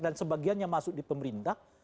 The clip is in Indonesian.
dan sebagiannya masuk di pemerintah